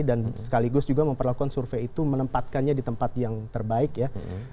dan sekaligus juga memperlakukan survei itu menempatkannya di tempat yang terbaik ya